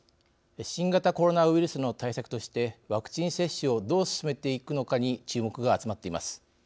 新型コロナウイルスの対策としてワクチン接種をどう進めていくのかに注目が集まっています。